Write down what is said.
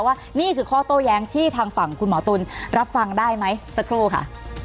ว่านี่คือข้อโต้แย้งที่ทางฝั่งคุณหมอตุ๋นรับฟังได้ไหมสักครู่ค่ะ